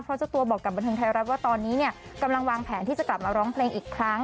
เพราะเจ้าตัวบอกกับบันเทิงไทยรัฐว่าตอนนี้เนี่ยกำลังวางแผนที่จะกลับมาร้องเพลงอีกครั้ง